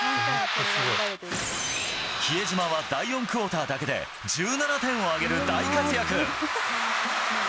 比江島は第４クオーターだけで１７点を挙げる大活躍。